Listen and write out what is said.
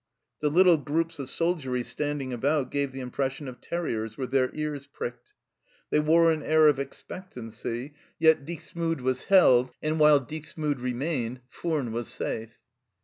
The little groups of soldiery stand ing about gave the impression of terriers with their ears pricked. They wore an air of expectancy ; yet THE RETREAT 61 Dixmude was held, and while Dixmude remained Furnes was safe.